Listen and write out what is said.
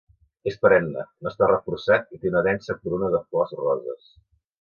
És perenne, no està reforçat i té una densa corona de flors roses.